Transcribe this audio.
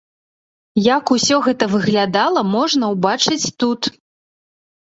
Як усё гэта выглядала, можна ўбачыць тут.